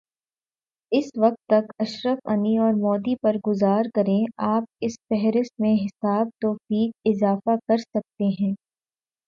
اس وقت تک اشرف غنی اورمودی پر گزارا کریں آپ اس فہرست میں حسب توفیق اضافہ کرسکتے ہیں۔